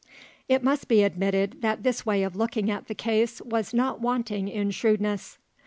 It must be admitted that this way of looking at the case was not wanting in shrewdness.